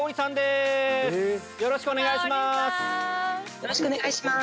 よろしくお願いします！